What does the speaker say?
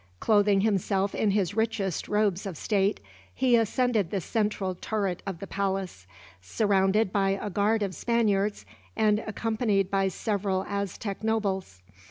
Clothing himself in his richest robes of state, he ascended the central turret of the palace; surrounded by a guard of Spaniards, and accompanied by several Aztec nobles.